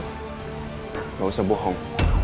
nggak usah bohong